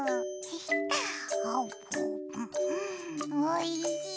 おいしい！